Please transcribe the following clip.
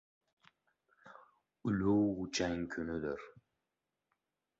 Ulug‘ jang kunidir.